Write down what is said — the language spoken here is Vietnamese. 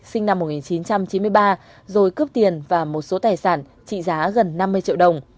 sinh năm một nghìn chín trăm chín mươi ba rồi cướp tiền và một số tài sản trị giá gần năm mươi triệu đồng